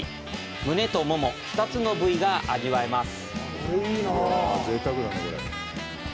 ムネとモモ、２つの部位が味わえます。